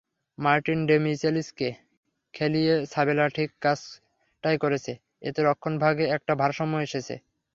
Martin ডেমিচেলিসকে খেলিয়ে Sabella ঠিক কাজটাই করেছে, এতে রক্ষণভাগে একটা ভারসাম্য এসেছে।